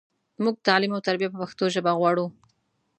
مونږ تعلیم او تربیه په پښتو ژبه غواړو